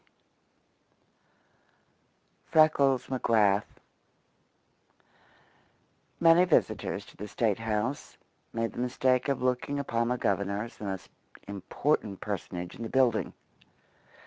IV FRECKLES M'GRATH Many visitors to the State house made the mistake of looking upon the Governor as the most important personage in the building.